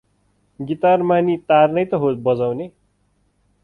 Guitar मा नी तार नै त हो बजाउने।